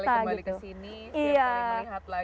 setiap kali kembali ke sini setiap kali melihat lagi